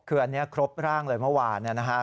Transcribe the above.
คืออันนี้ครบร่างเลยเมื่อวานนะครับ